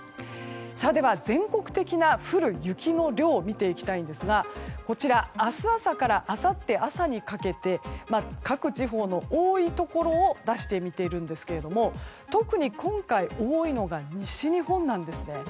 では、全国的な降る雪の量を見ていきたいんですが明日朝からあさって朝にかけて各地方の多いところを出してみているんですけども特に今回、多いのが西日本なんですね。